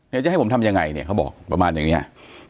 จะให้ผมทำยังไงเนี่ยเขาบอกประมาณอย่างนี้